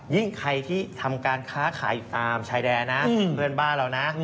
ใครที่ทำการค้าขายอยู่ตามชายแดนนะเพื่อนบ้านเรานะ